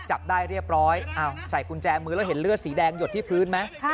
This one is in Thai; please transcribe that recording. จับได้เรียบร้อยใส่กุญแจมือแล้วเห็นเลือดสีแดงหยดที่พื้นไหม